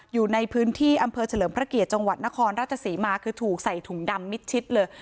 อยู่ในพื้นที่อำเภอเฉลิมพระเกียรติจังหวัดนครราชศรีมาคือถูกใส่ถุงดำมิดชิดเลย